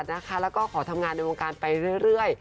นะค่ะละก็ขอทำงานในองค์การไปเรื่อย